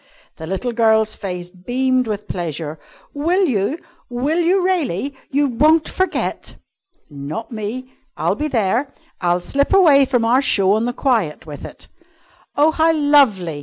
The little girl's face beamed with pleasure. "Will you? Will you really? You won't forget?" "Not me! I'll be there. I'll slip away from our show on the quiet with it." "Oh, how lovely!